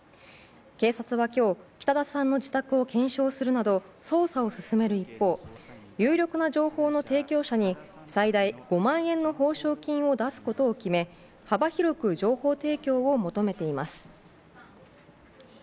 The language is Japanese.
警察は今日北田さんの自宅を検証するなど捜査を進める一方有力な情報の提供者に最大５万円の報奨金を出すことを決め幅広く情報提供を求めています。